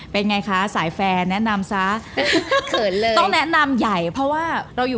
เป็นไงคะสายแฟนแนะนำซะเขินเลยต้องแนะนำใหญ่เพราะว่าเราอยู่